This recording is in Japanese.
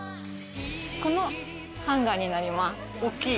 このハンガーになります。